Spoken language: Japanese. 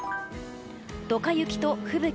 ドカ雪と吹雪。